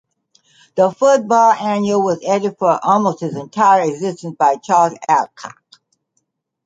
The "Football Annual" was edited for almost its entire existence by Charles Alcock.